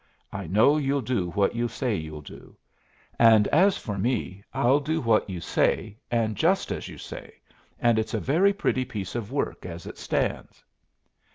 I know you'll do what you say you'll do; and as for me I'll do what you say and just as you say, and it's a very pretty piece of work as it stands."